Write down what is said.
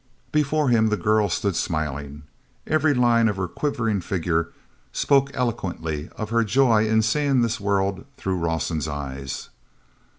Before him the girl stood smiling. Every line of her quivering figure spoke eloquently of her joy in seeing this world through Rawson's eyes.